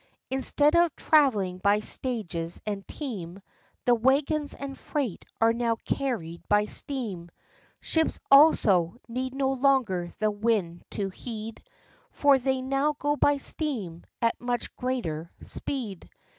55 Instead of travelling by stages and team, The wagons and freight are now carried by steam. Ships, also, need no longer the wind to heed, For they now go by steam, at much greater speed.